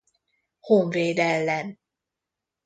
Honvéd ellen.